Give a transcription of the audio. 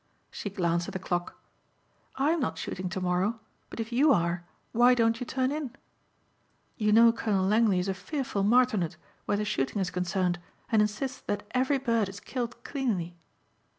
She glanced at the clock. "I'm not shooting tomorrow but if you are why don't you turn in? You know Colonel Langley is a fearful martinet where the shooting is concerned and insists that every bird is killed cleanly."